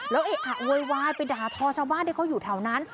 แล้วเอ๊ะอ่ะเวยไปด่าทอชาวาดเขาอยู่แถวนั้น